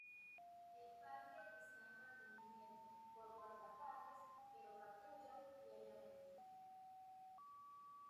El parque está en mantenimiento por guardaparques que lo patrullan diariamente.